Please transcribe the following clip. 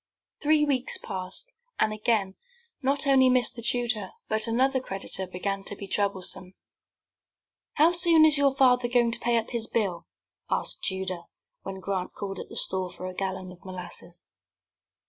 Three weeks passed, and again not only Mr. Tudor, but another creditor, began to be troublesome. "How soon is your father going to pay up his bill?" asked Tudor, when Grant called at the store for a gallon of molasses.